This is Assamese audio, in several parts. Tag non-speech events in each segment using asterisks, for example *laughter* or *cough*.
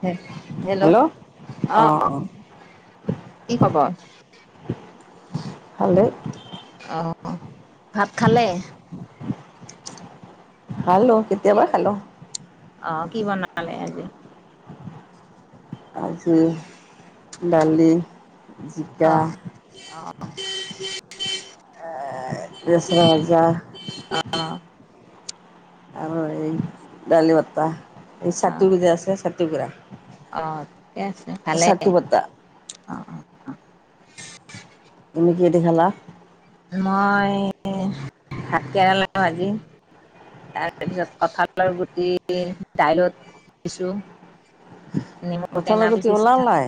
*unintelligible* হেল্ল' অঁ অহ অঁ কি খবৰ। ভালে। অ' ভাত খালে। খালো কেতিয়া বা খালো। অ' কি বনালে আজি। আাজি দালি। জিকা অ', -অ'। *inaudible* লেচৰা ভাজা। অ আৰু এই দালি বতা। এই অ চাতু যে আছে চা *unintelligible* অ' ঠিকে আছে, ভালেই বটা অ', -অ'। অ'। তুমি কিহেদি খালা? মই ভাত কেৰালা ভাজি তাৰপিছত কঁঠালৰ গুটি দাইলত দিছো। নেমু টেঙা কঠালগুটি ওলাল পিচিছো নাই।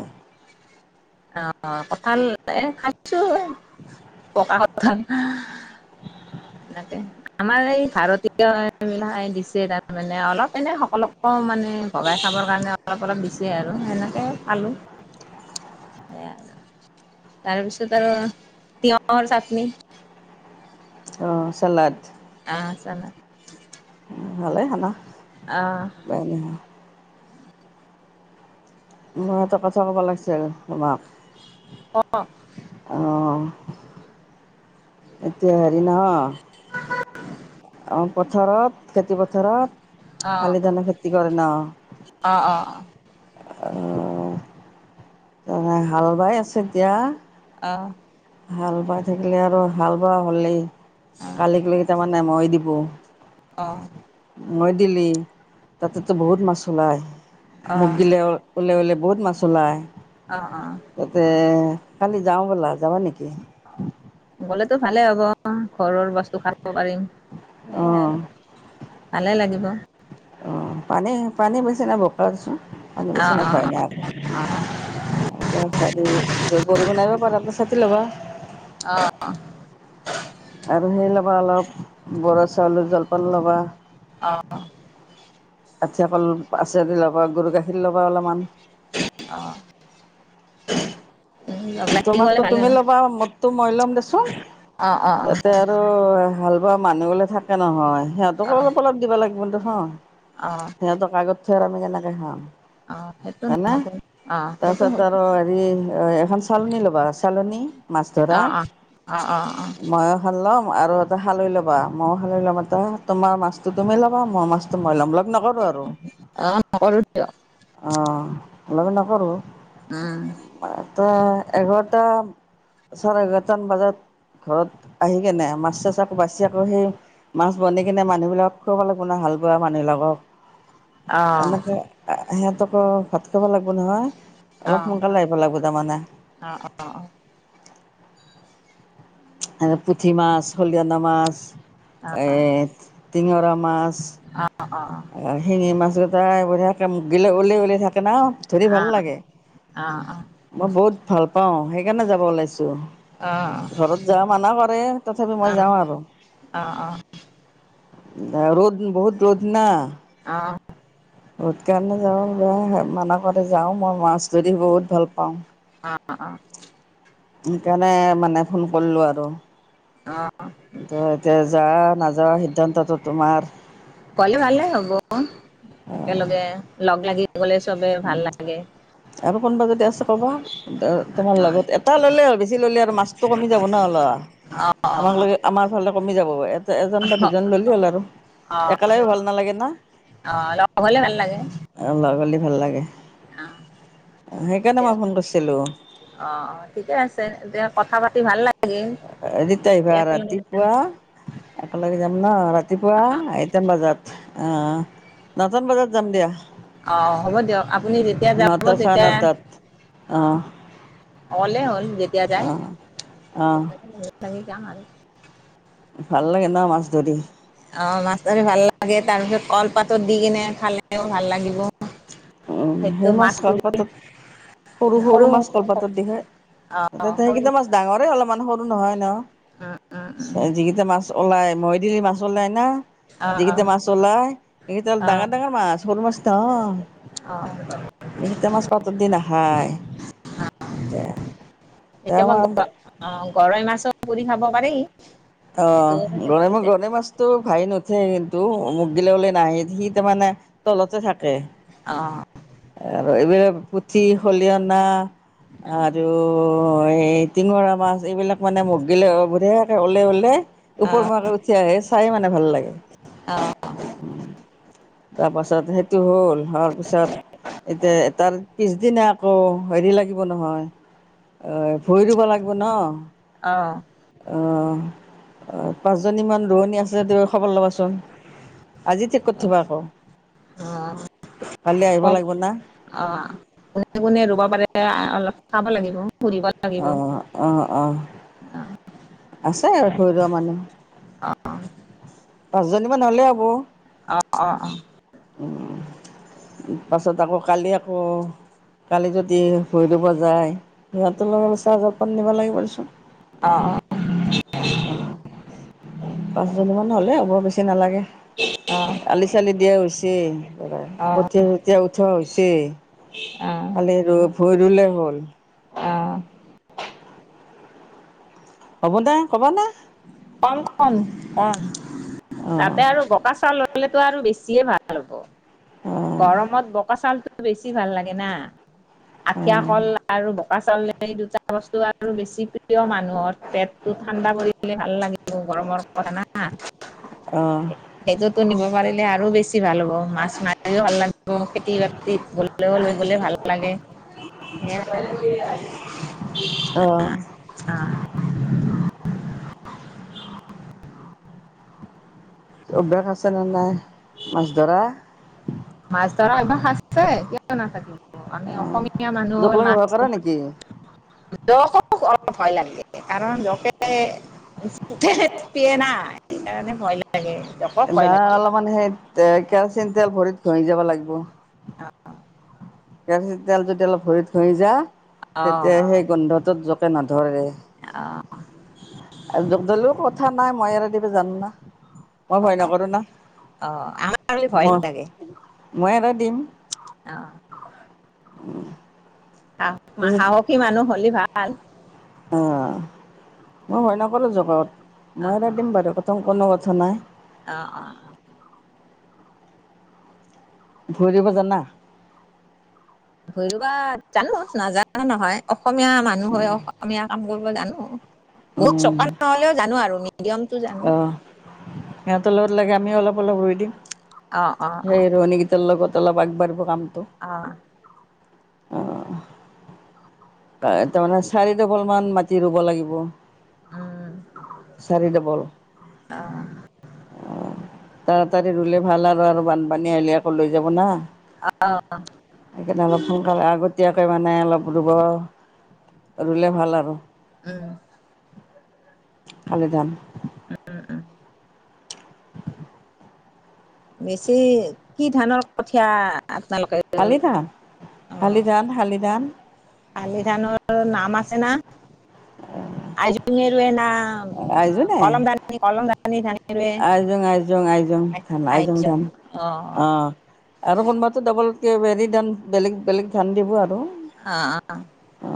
অ' কঠাল এ খাইছো পকা কঠাল। সেনেকে আমাৰ এই ভাৰতীয় এইবিলাই দিছে। তাৰমানে অলপ এনে সকলকো মানে ভগাই খাবৰ কাৰণে অলপ অলপ দিছে আৰু সেনেকে পালো সেয়াই আৰু তাৰপিছত আৰু তিয়ঁহৰ চা চাতনি। অ'। চালাড। *unintelligible* ভালে খানা। আহ উপাই নাই আৰু মই এটা কথা ক'ব লাগিছি। চে তোমাক। অ অ'। এতিয়া হেৰি ন' অহ পথাৰত, খেতি পথাৰত অ শালি ধানৰ খেতি কৰে অ অ অ ন'। আৰু *unintelligible* *unintelligible* ত হাল বাই আছে এতিয়া। আহ। হাল বাই থাকিলে আৰু হাল বোৱা হ'লেই। কালিক লৈকি তাৰ মান নে মই দিম গ *unintelligible* অ'। মই দিল্লী তাতেতো বহুত মাছ ওলায়, মোক দিলে ওলাই ওলোই বহুত মাছ ওলায়। অ অ তাতে কালি যাওঁ বলা। যাবা নেকি? গ'লেতো ভালে হ'ব। অ' ঘৰৰ বস্তু খাব পাৰিম, সেয়াই অঁ আৰু। ভালে লাগিব। অ' পানী, পানী বেছি নাই ব ছোন আ *unintelligible* বেচি ন ভয় অ নাই আকৌ বৰষুণ নাইব পাৰা চাতি ল'বা অ আৰু সেই ল'বা অলপ বৰা চাউলৰ জলপান ল'বা অ আঠা কল পাছে ল'বা, গৰু গাখীৰ ল'বা অলপমান। অ'। লাগি গ'লে তোমাৰতো ভালে তুমি লাগে। ল'বা, মদতো মই ল'ম দেছোন, অ অ অ ইতে আৰুাল মানুহ গলে থাকে নহয় সিহঁতক অ অলপ অলপ দিব লাগে ধ হ *unintelligible* অ সিহঁতৰ আগত থ *unintelligible* আৰু আমি কেনেকে গহম *unintelligible* অ সেইটো হয় না, নহ'ব অ সেইটো তাৰপিছত হ'ব আৰু হেৰি ধ চাল নি লব আছে চালনি মাছ ধৰা অ অ অ অ অ ম *unintelligible* আৰু এটা খালৈ ল'বা, মই খালৈ ল'ম এটা তোমাৰ মাছটো তুমি ল'বা, মোৰ মাছটো মই ল'ম নকৰো আৰু, অ নকৰো দিয়ক অ' *unintelligible* নকৰোঁ উম। ত' এঘাৰটা চাৰে এঘাৰটামান বজাত ঘৰত আহি কেনে, মাছ চাছ আকৌ বাচি আকৌ সেই মাছ বনি কিনে মানুহবিলাক কৰিব লাগিব ন, হাল বোৱা মানুহিলাকক। অ এনেকে সিহঁত আকৌ ভাত খাব লাগিব নহয় অ অ অ অলপ সোনকালে আহিব লাগিব তাৰমানে অ আৰু পুঠি মাছ খলিহনা মাছ টিঙৰা মাছ অ অ অ আৰু শিঙি মাছত বঢ়িয়াকে মুখ গিলা *unintelligible* ওলাই ওলাই থাকে *unintelligible* ধৰি ভাল গ'লে লাগে মই বহুত ভাল পাওঁ সেইকাৰণে যাব ওলাইছো ঘৰত যোৱা মানা কৰে তথাপি মই যাওঁ আৰু ৰ'দ বহুত ৰ'দ ন *unintelligible* *unintelligible* কাৰণে যাওঁ মানা কৰে যাওঁ মই মাছ ধৰি বহুত ভাল পাওঁ। অ সেইকাৰণে মানে ফোন কৰিলো আৰু এতিয়া যোৱা নোযোৱা সিদ্ধান্তটো তোমাৰ ভালে হ'ব একেলগে লগ লাগি গ'লে চবে ভাল লাগে আৰু কোনোবা যদি আছে ক'বা তোমাৰ লগত এটা ল'লে হ'ল বেছি ল'লে আৰু মাছটো কমি যাব ন লোৱা অ আমাৰ ফালে কমি যাব এ এজন বা দুজন ল'লেই হ'ল আৰু অ একেলগে ভাল নালাগে ন অ অ লগ হ'লে ভাল লাগে লগ হ'লে ভাল লাগে। অ সেইকাৰণে এতিয়া মই ফোন কৰিছিলোঁ অ অ ঠিকে আছে এতিয়া কথা পা- -তি ভাল লাগি- *unintelligible* আহিবা ৰাতিপুৱা একেলগে যাম ন ৰাতিপুৱা আইটা‌ন বজাত, আহ নটান বজাত যাম দিয়া অ হ'ব দিয়ক আপুনি যেতিয়া যাব নটা চাৰে তেতিয়া, নটাত অ। অঁ অলে হ'ল। যেতিয়া যায় অঁ অঁ যামাল ভাল লাগে ন মাছ ধৰি। অ মাছ ধৰি ভাল লাগে, তাৰ পিছত কলপাতত দি কিনে খালেও ভাল লাগিব। উ সেইটো সেই মাছ মাছটো কলপাতত, সৰু-সৰু সৰু মাছ কলপাতত দি হয়, অ সৰু সেইকেইটা মাছ উম ডাঙৰে অলপমান স নহয় ন, উম উম যিকেইটা মাছ ওলাই, মই দিলি মাছ ওলাই না, অ অ যিকেইটা মাছ ওলাই, সেইকেইটা অ ডাঙৰ-ডাঙৰ মাছ সৰু মাছ নহয়। অ এইকিটা মাছ পাতত দি নাখায়, এয়া এতিয়া মই তামাৰ অ গৰৈ মাছৰ পুৰি খাব পাৰি অ সেইটো গৰৈ ম, সেইটোতে গৰৈ মাছটো ভাহি নুঠে কিন্তু, ম বিললৈ নাই সি তাৰমানে তলতে থাকে। অ আৰু এইবিলাক পুঠি, খলিহনা অ আৰু *unintelligible* টিঙৰা মাছ, এইবিলাক মানে *unintelligible* বঢ়িয়াকে ওলাই-ওলে ওপৰ মোৱাকে উঠি আহে চাই মানে ভাল লাগে। অ তাৰপাছত সেইটো হ'ল, হোৱাৰ পিছত এতিয়া তাৰ পিছদিনা আকৌ হেৰি লাগিব নহয়। ভৰি দিব লাগিব ন। অ, অ, পাঁচজনীমান ৰোৱণী আছ *unintelligible* তুমি খবৰ ল'বাচোন আজি ঠিক কৰি থ'বা আকৌ। অ কালি আহিব লাগিব না অ' কোনে-কোনে ৰুব পাৰে অলপ চাব লাগিব। সুধিব লাগিব অঁ, অঁ, অঁ। আছে ইয়াত ভূই ৰুৱা মানুহ। দুজনীমান হ'লেই হ'ব। অ, অ, অ। তই তাকো কালি আকৌ কালি যদি ভূই ৰুব যায়, সিহঁতৰ লগত ছাহজত ক'ত নিব লাগিব অ অ পাঁচজনীমান হলেৰ বেছি নালাগে অ আলি চালি দিয়া হৈছে অ কঠীয়া চঠিয়াই উঠোৱা হৈছে অ কালি ভই ৰুলে হ'ল। অহ হ'ব দে ক'বা নে কম কম কম অঁ তাতে আৰু বকা চাউল ললে তটো আৰু বেছিয়ে ভাল হ'ব অঁ গৰমত বোকা চাউলটো বেছি ভাল লাগে না আঠিয়া অঁ কল আৰু বোকা চাউল সেই দুটা বস্তু আৰু বেছি প্ৰিয় মানুহৰ পেটটো ঠাণ্ডা পৰিলে ভাল লাগিব গৰমৰ অঁ *unintelligible* এযোতোনিব পাৰিলে আৰু বেছি ভাল হ'ব মছ ভাল লাগ খেতি বাতিত গলেও লৈ গলে ভাল লাগে সেই অঁ আহ *unintelligible* অভ্যাস আছে নে নাই মাছ ধৰা মাছ ধৰা একবাৰ সছে কিয় নাথাকে আমি অসমীয়া মানুহ জোকলামী ভয় কৰা মাছশ নেকি? ভয় লাগে কাৰণ লোকে পিয়ে নাই সেইকাৰণে ভয় লাগে জকক ভয় ধা লাগে। অলপমান সেই এ কেৰাচিয়ম তেল ভৰিত ঘৰি যাব লাগিব কেৰা তেল যদি অলপ ভৰিত ঘঁহি যা অ', তেতিয়া সেই গোন্ধটোত প ন অ', ধ ধলোও কথা নাই মইাৰ িব যান ন মই ভয় নকৰো না অ', আমাৰ ভয় লাগে মই মই আৰু দিম অ'। াহ তাৰপিছত সাহসী মানুহ হ'লেি ভাল ভাল অ মই হয় নকৰোঁ জগত অ', মই ৰা দিম বাৰু কথম কোনো কথা জনাই অ অ ভৰিব জানা ভুই ৰুবা জানোঁ নাজানা নহয় অসমীয়া মানুহ হৈ অসমীয়া কাম কৰিব জানো। বহুত উম, চকা নহ'লেও জানোঁ আৰু মিডিয়ামটো জানোঁ। অ'। সিহঁতৰ লগত লাগে আমিও অলপ অলপ ৰুই দিম অ', অ', সেই অ', ৰোৱনীকেইটাৰ লগত। *unintelligible* অলপ আগবাঢ়িব কাম অ'। অঁ, তাৰে তাৰমানে চাৰিডফল মান মাটি ৰুব লাগিব। উম। *inaudible* চাৰি ডাবল অ', অহ। *inaudible* তাৰাতাৰি ৰুলে ভাল আৰু আৰু বানপানী আহিলি আকৌ লৈ যাব না। সেইকাৰণে অলপ সোনকালে আগতীয়াকৈ মানে অলপ ৰুব ৰুলে ভাল আৰু। উম, কালি যাম। বেছি কি ধানৰ কঠিয়া আপনালোকে শালি ধান অ, শালি ধান শালি ধান আলি ধানৰ নাম আ *unintelligible* না। আইজোঙে ৰোৱে না *inaudible* *unintelligible* আ, কলম *unintelligible* কলম পানী *inaudible* আইজং, আইজং, আইজং ধান আ *unintelligible* অ'। আৰু কোনোবাটো ডাবলকৈ হেৰি ধান বেলেগ বেলেগ ধান দিব আৰু। আ, অ। অ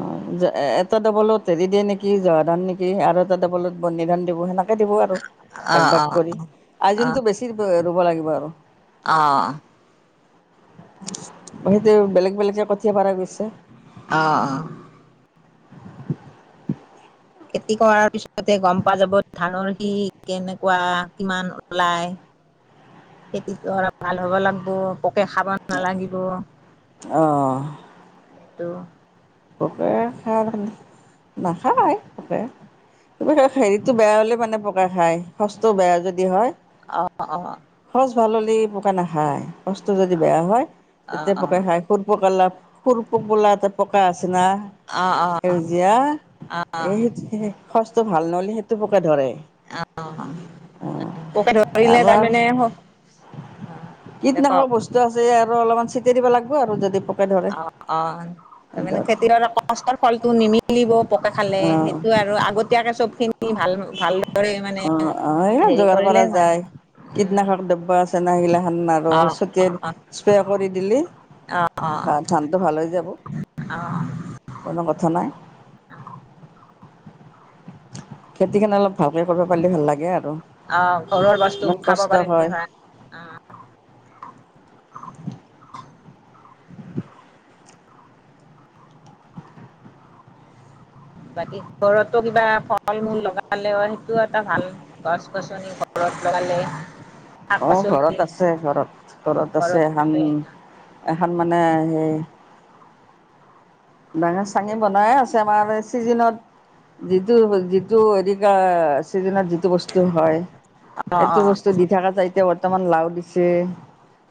এটা ডাবলত হেৰি দিয়ে নেকি জহা ধান নেকি আৰু এটা ডাবলত বন্দী ধান দিব সেনা দিব আৰু অ ভাগ-ভাগ *unintelligible* অ আইজনতটো বেছি ৰুব লাগিব আৰু। অ সেইতো বেলেগ *unintelligible* য পাৰা গৈছে। অ খেতি কৰাৰ পিছতে গম পোৱা যাব ধানৰ সি কেনেকুৱা কিমান ওলাই খেতিটো ভাল হ'ব লাগব। পোকে খাবা নালাগিব অ ত পোকে খাই নাখায় পোকে হেৰিটো বেয়া হ'লে মানে পোকে খায় সচটো বেয়া যদি হয় অ অ প ভাললি পোক নাখায় সচটো যদি অ বেয়া হয় অ তেতিয়া অ পোকে খাই সুৰপকাৰ লাভ স বোলা এটা পাঁচ বিচনা অ অ সেউজীয়া অ এই অ ভাল নহলে সেইটো পোকে ধৰে উম পোকে ধৰিলে আবাৰ তাৰমানে দে ক কীটনাশক বস্তু আছে এ আৰু অলপমান দি দিব লাগব আৰু যদি প অ অ তাৰমানে খেতিয়কৰ কষ্টৰ ফলটো নিমিলিব পোকে খালে অঁ সেইটো আৰু আগতীয়াকে চব খিনি ভাল ভালদৰে মানে অ অ সেই হেৰি যোগাৰ কৰিলে কৰা ভাল। যায় উম, কীটনাশক দ্ৰব্য আছে না সেইগিলাখান আৰু অ', ছটিয়াই অ', স্প্ৰে কৰি দিলি অ', অ', ধ ধানটো ভাল হৈ যাব অ', কোনো কথা নাই খেতি খেন অলপ ভালকে কৰব পাৰলে ভাল লাগে আৰ আহ ঘৰৰ বস্তু খাব পাৰি হয় অহ *unintelligible* বাকী ঘৰতো কিবা ফল মূল লগালেও সেইটোও এটা ভাল গছ গছনি ঘৰত লগালে শাক অ পাচলি ঘৰত আছে ঘৰত ঘৰত আছে এহান এহান মানে সেই ডাঙৰ চাঙি বনাই আছে আমাৰ চিজনত যিটো যিটো হেৰি কা ছিজনত যিটো বস্তু হয় অ', সেইটো অ', বস্তু দি থাকা যায় এতিয়া বৰ্তমান লাও দিছে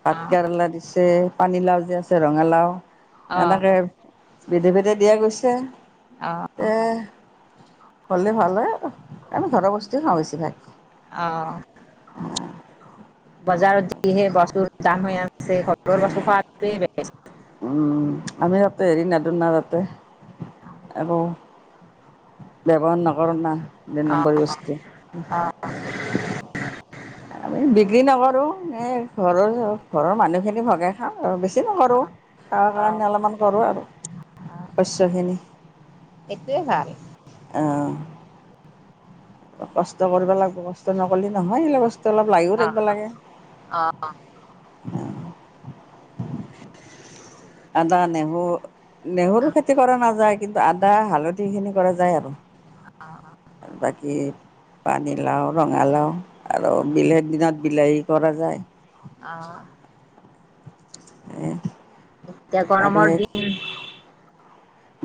ভাত অ', কেৰেলা দিছে পানীলাও যে আছে ৰঙালাও অ', এনেকে বেদে ভেদে দিয়া গৈছে অ', এ কৰলে ভাল হয় আৰ আমি ঘৰৰ বস্তুৱে খাওঁ বেছিভাগ অ'। আ বজাৰত দিহে বাচুৰ তা হৈ আন অহ উম আমি তাতে হেৰি নাদো ন তাতে একো ব্যৱহাৰ নকৰো না দুই অ', নম্বৰী বস্তু আমি বিচ কি নকৰোঁ এ ঘৰৰ হে ঘৰৰ মানুহখিনি সেটো ভগে খাওঁ আৰু বেছি নকৰোঁ খাবা অ', কাৰণে অলপমান কৰোঁ আৰু শস্যখিনি এ ভাল অহঁ কষ্ট কৰিব লাগ কষ্ট নকলে নহয় সেগিলা বস্তু অলপ লাগিও অ', থাকব লাগে অ', অ', আদা নেহ নেহেৰু অ', খেতি কৰা নাযায় কিন্তু আদা হালধি সিখিনি কৰা যায় আৰু বাকী পানীলাওঁ, ৰঙালাওঁ। আৰু বিলাহীৰ দিনত বিলাহী। কৰা যায়। আ'হ। এতিয়া গৰমৰ দিন।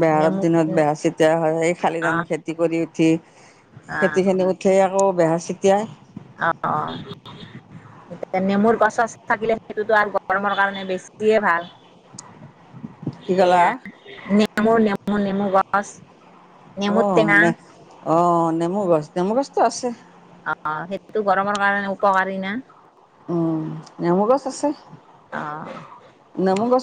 বেহৰৰ নেমু দিনত অ', বেহৰ চিতা তে হয়। শালি অ', ধানৰ খেতি কৰি উঠি। খেতিখিনি কৰিব থৈ ইয়াক আকৌ বেহৰ চতিয়াই অ', অ' এয়া নেমুৰ গছ -চচ থাকিলে সেইটোতো আৰু গৰমৰ কাৰণে বেছিয়ে ভাল। কি ক'লা সেয়া নেমু, নেমু, নেমু *unintelligible* অ' টেঙা নে অ' নেমু নেমুৰ গছ নেমুৰ গছতো আছে। অ' সেইটো গৰমৰ কাৰণে উপকাৰী না। উ'ম নেমু গছ আছে, অ'। নেমু গছ আছে।